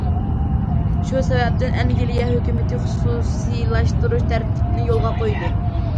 شۇ سەۋەبتىن، ئەنگلىيە ھۆكۈمىتى خۇسۇسىيلاشتۇرۇش تەرتىپىنى يولغا قويدى.